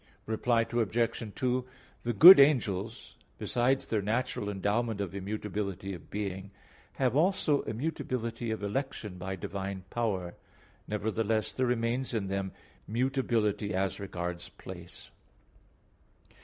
Reply Obj. 2: The good angels, besides their natural endowment of immutability of being, have also immutability of election by divine power; nevertheless there remains in them mutability as regards place.